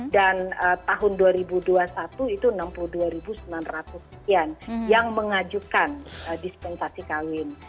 tahun dua ribu dua puluh satu itu enam puluh dua sembilan ratus sekian yang mengajukan dispensasi kawin